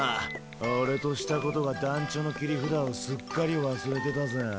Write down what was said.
俺としたことが団ちょの切り札をすっかり忘れてたぜ。